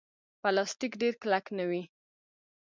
پلاستيک ډېر کلک نه وي.